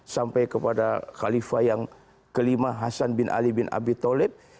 sampai kepada khalifah yang kelima hasan bin ali bin abi talib